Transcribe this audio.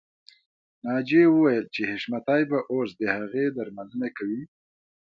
ناجیه وویل چې حشمتي به اوس د هغې درملنه کوي